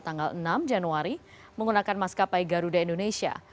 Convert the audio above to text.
tanggal enam januari menggunakan maskapai garuda indonesia